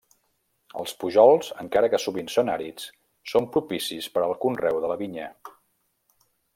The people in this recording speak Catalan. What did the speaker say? Els pujols, encara que sovint són àrids, són propicis per al conreu de la vinya.